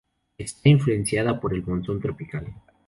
Está influenciada por el monzón tropical.